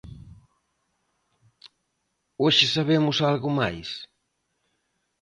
Hoxe sabemos algo máis?